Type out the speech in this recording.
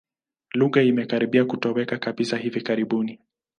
Lugha imekaribia kutoweka kabisa hivi karibuni.